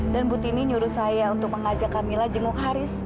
dan butini nyuruh saya untuk mengajak camilla jenguk haris